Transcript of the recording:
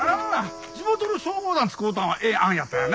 地元の消防団使うたのはええ案やったな。